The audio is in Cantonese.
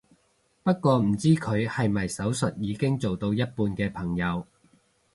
不過唔知佢係咪手術已經做到一半嘅朋友